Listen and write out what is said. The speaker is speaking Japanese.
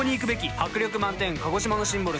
迫力満点鹿児島のシンボル